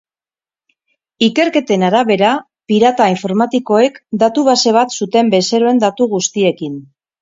Ikerketen arabera, pirata informatikoek datu base bat zuten bezeroen datu guztiekin.